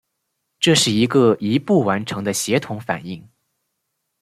这是一个一步完成的协同反应。